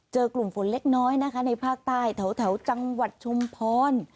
กลุ่มฝนเล็กน้อยนะคะในภาคใต้แถวจังหวัดชุมพร